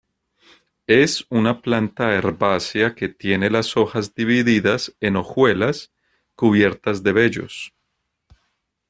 Es una planta herbácea que tiene las hojas divididas en hojuelas cubiertas de vellos.